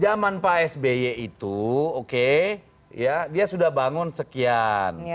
zaman pak sby itu oke dia sudah bangun sekian